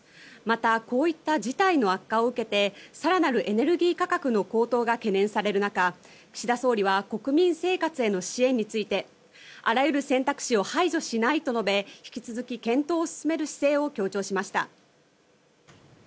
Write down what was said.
またこういった事態の悪化を受けて更なるエネルギー価格の高騰が懸念される中、岸田総理は国民生活への支援についてあらゆる選択肢を排除しないと述べ引き続き検討する姿勢を強調しました。